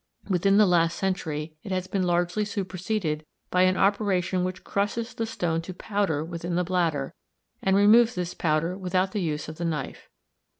Within the last century it has been largely superseded by an operation which crushes the stone to powder within the bladder, and removes this powder without the use of the knife.